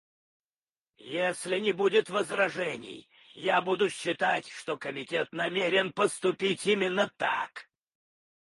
Если не будет возражений, я буду считать, что Комитет намерен поступить именно так.